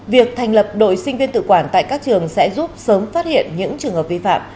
việc thành lập đội sinh viên tự quản tại các trường sẽ giúp sớm phát hiện những trường hợp vi phạm